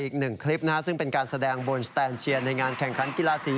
อีก๑คลิปนะซึ่งเป็นการแสดงบนแกนกิล้าสี